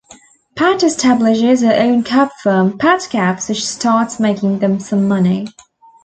Pat establishes her own cab firm, "PatCabs", which starts making them some money.